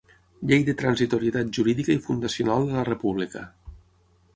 Llei de transitorietat jurídica i fundacional de la República.